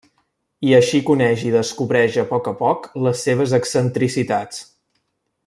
I així coneix i descobreix a poc a poc les seves excentricitats.